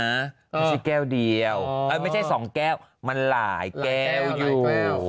ไม่ใช่แก้วเดียวไม่ใช่๒แก้วมันหลายแก้วอยู่